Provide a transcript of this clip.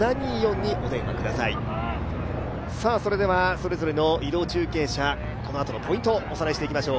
それぞれの移動中継車、このあとのポイントをおさらいしておきましょう。